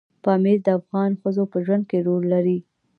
پامیر د افغان ښځو په ژوند کې رول لري.